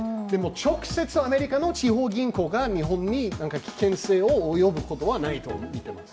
直接アメリカの地方銀行が日本に何か危険性が及ぶことはないとみています。